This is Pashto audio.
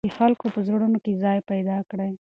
د خلکو په زړونو کې ځای پیدا کړئ.